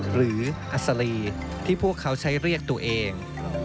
อัศรีที่พวกเขาใช้เรียกตัวเอง